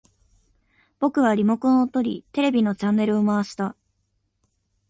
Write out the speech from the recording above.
僕はリモコンを取り、テレビのチャンネルを回した